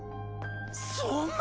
そんな！